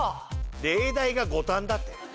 例題が五反田って！